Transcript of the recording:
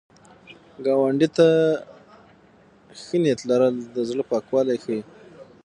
ګاونډي ته ښه نیت لرل، د زړه پاکوالی ښيي